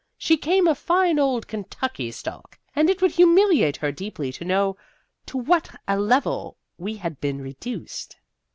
She came of fine old Kentucky stock, and it would humiliate her deeply to know to what a level we had been reduced."